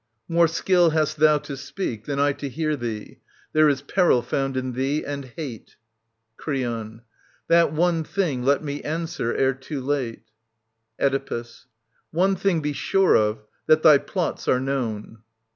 More skill hast thou to speak than I to hear Thee. There is peril found in thee and hate. Creon. That one thing let me answer ere too late. Oedipus. One thing be sure of, that thy plots are known.